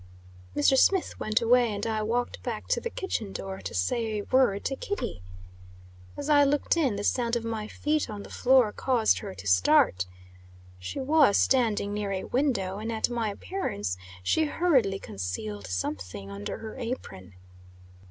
Mr. Smith went away, and I walked back to the kitchen door to say a word to Kitty. As I looked in, the sound of my feet on the floor caused her to start. She was standing near a window, and at my appearance she hurriedly concealed something under her apron.